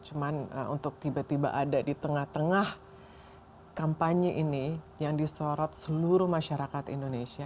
cuma untuk tiba tiba ada di tengah tengah kampanye ini yang disorot seluruh masyarakat indonesia